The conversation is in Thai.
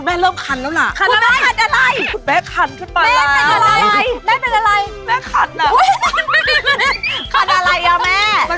แม่เริ่มคันแล้วล่ะคันอะไรเลยแม่เริ่มคันแล้วล่ะ